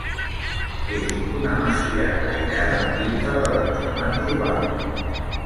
És una masia aïllada dintre de l'entramat urbà.